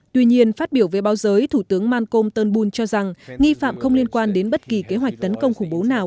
tuy nhiên phát biểu về báo giới thủ tướng malcolm turnbull cho rằng nghi phạm không liên quan đến bất kỳ kế hoạch